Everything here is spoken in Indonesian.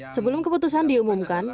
sebelum keputusan diumumkan